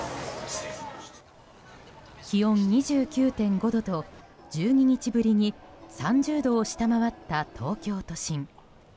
気温２９．５度と１２日ぶりに３０度を下回った東京都心。